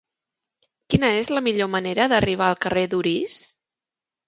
Quina és la millor manera d'arribar al carrer d'Orís?